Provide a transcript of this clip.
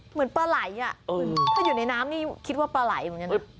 เหมือนปลาไหล่ถ้าอยู่ในน้ำนี่คิดว่าปลาไหลเหมือนกันนะ